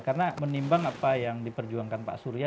karena menimbang apa yang diperjuangkan pak surya